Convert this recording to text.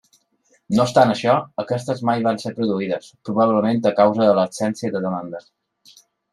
No obstant això, aquestes mai van ser produïdes, probablement a causa d'absència de demanda.